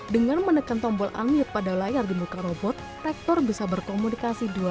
dengan menekan tombol angin pada layar di muka robot rektor bisa berkomunikasi dua orang